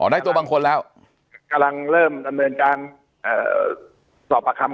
ได้ตัวบางคนเค้าแล้วกำลังรับสอบประคัน